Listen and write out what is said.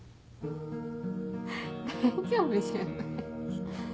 大丈夫じゃない。